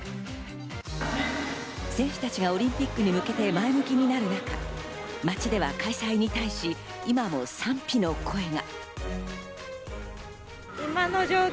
選手たちがオリンピックに向けて前向きになる中、街では開催に対し今も賛否の声が。